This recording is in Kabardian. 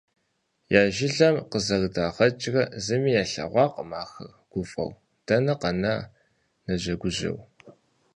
Я жылэм къызэрыдагъэкӀрэ зыми илъэгъуакъым ахэр, гуфӀэу дэнэ къэна, нэжэгужэу.